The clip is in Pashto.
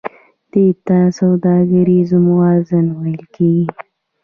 دې ته سوداګریزه موازنه ویل کېږي